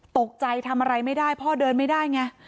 ตกใจทำอะไรไม่ได้พ่อเดินไม่ได้ไง